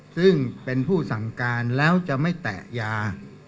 ซึ่งเป็นผู้สั่งการแล้วจะไม่แตะยา